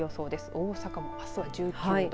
大阪もあすは１９度。